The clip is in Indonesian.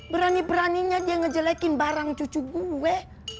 berani beraninya dia ngejelekin barang cucu gue